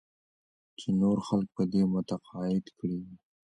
چې نور خلک په دې متقاعد کړې.